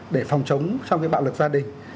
để phòng chống trong cái bạo lực gia đình